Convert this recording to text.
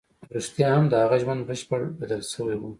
رښتيا هم د هغه ژوند بشپړ بدل شوی و.